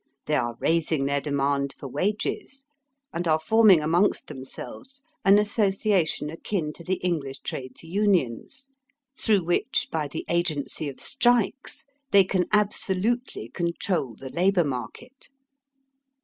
They are raising their demand for wages, and are forming amongst themselves an association akin to the EngKsh trades unions, through which by the agency of strikes they can absolutely control the labour market.